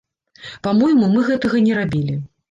Па-мойму, мы гэтага не рабілі.